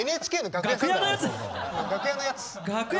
楽屋のやつ。